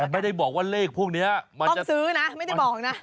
แต่ไม่ได้บอกว่าเลขพวกนี้ต้องซื้อนะไม่ได้บอกนะ